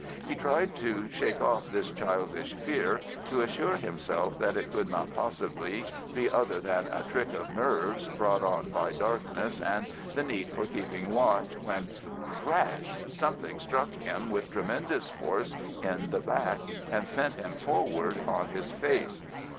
He tried to shake off this childish fear, to assure himself that it could not possibly be other than a trick of "nerves" brought on by darkness and the need for keeping watch, when crash! something struck him with tremendous force in the back and sent him forward on his face.